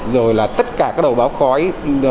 rồi là tất cả các đầu báo khói